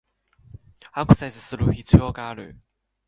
アクセスする必要がある